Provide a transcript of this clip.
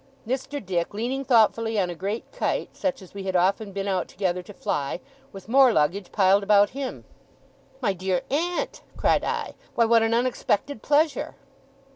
Mr. Dick leaning thoughtfully on a great kite, such as we had often been out together to fly, with more luggage piled about him! 'My dear aunt!' cried I. 'Why, what an unexpected pleasure!